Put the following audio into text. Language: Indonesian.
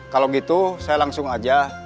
kalau gitu saya langsung aja